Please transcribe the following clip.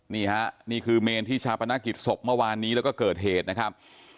นี่คือเมนที่ชาปนกิจศพเมื่อวานนี้แล้วก็เกิดเหตุนะครับ